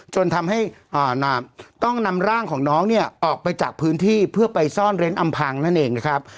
จนทำให้ต้องนำร่างของน้องเนี่ยออกไปจากพื้นที่เพื่อไปซ่อนเร้นอำพังนั่นเองนะครับ